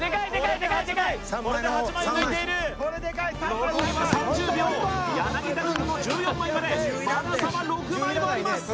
これで８枚を抜いている残りは３０秒柳田軍の１４枚までまだ差は６枚もあります